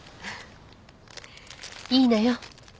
いいのよ。